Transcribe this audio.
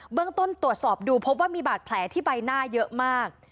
เรื่องต้นตรวจสอบดูพบว่ามีบาดแผลที่ใบหน้าเยอะมาก